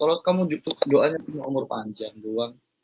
kalau kamu diukur doanya umur panjang doang